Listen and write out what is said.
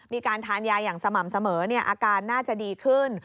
มีการทานยาอย่างสม่ำเสมออาการน่าจะดีขึ้น